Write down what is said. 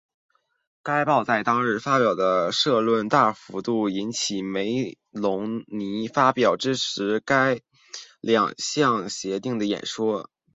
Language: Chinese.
该报在当日发表的社论大幅度引用梅隆尼发表支持该两项协定的演说。